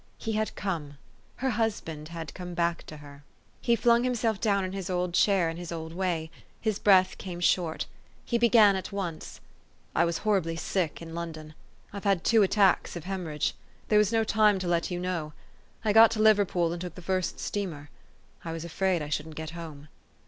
He had come. Her hus band had come back to her. He flung himself down in his old chair in his old way. His breath came short. He began at once, " I was horribly sick in London. I've had two attacks of hemorrhage. There was no time to let you know. I got to Liverpool, and took the first steamer. I was afraid I shouldn't get home."